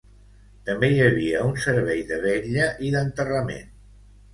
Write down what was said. També hi havia un servei de vetlla i d'enterrament.